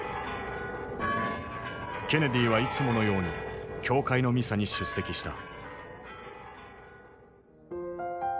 ケネディはいつものように教会のミサに出席した。